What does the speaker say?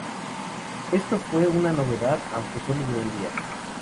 Esto fue una novedad aunque solo duró un día.